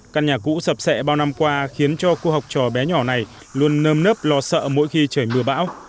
căn nhà cũ sập sệ bao năm qua khiến cho cô học trò bé nhỏ này luôn nơm nớp lo sợ mỗi khi trời mưa bão